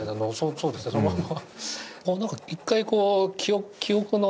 そうですねそのまんま。